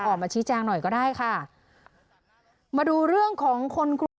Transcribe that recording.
ออกมาชี้แจงหน่อยก็ได้ค่ะมาดูเรื่องของคนกลัว